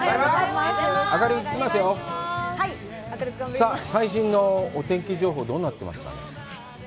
さあ、最新のお天気情報、どうなってますかね。